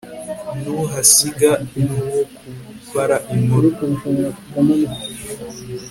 ntuhasiga n'uwo kubara inkuru